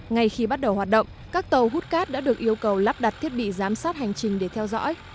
ngay khi bắt đầu hoạt động các tàu hút cát đã được yêu cầu lắp đặt thiết bị giám sát hành trình để theo dõi